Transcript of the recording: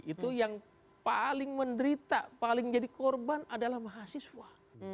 itu yang paling menderita paling jadi korban adalah mahasiswa